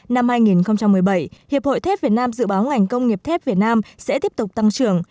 năm hai nghìn một mươi bảy hiệp hội thép việt nam dự báo ngành công nghiệp thép việt nam sẽ tiếp tục tăng trưởng